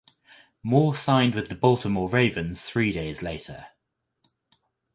Moore signed with the Baltimore Ravens three days later.